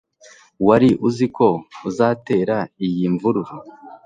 wari uziko uzatera iyi mvururu